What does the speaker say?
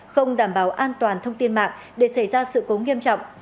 không đảm bảo an toàn thông tin mạng để xảy ra sự cố nghiêm trọng